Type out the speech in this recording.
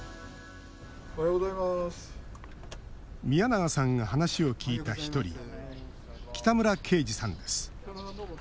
宮永さんが話を聞いた１人北村恵司さんです。